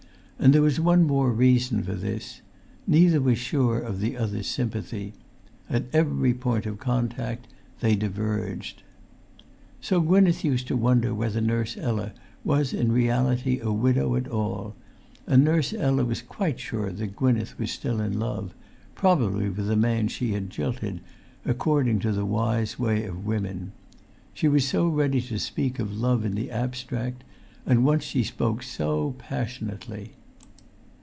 And there was one more reason for this: neither was sure of the other's sympathy: at every point of contact they diverged. [Pg 358]So Gwynneth used to wonder whether Nurse Ella was in reality a widow at all, and Nurse Ella was quite sure that Gwynneth was still in love, probably with the man she had jilted, according to the wise way of women; she was so ready to speak of love in the abstract; and once she spoke so passionately.